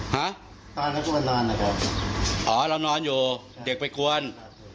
หาตอนร้านวันนอนนะครับอ๋อเรานอนอยู่เด็กไปกวนครับครับ